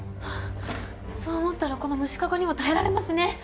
そう思ったらこの無視カゴにも耐えられますね。